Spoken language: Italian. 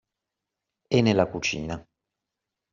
E nella cucina.